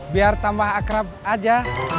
biar tambah akrab aja